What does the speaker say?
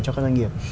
cho các doanh nghiệp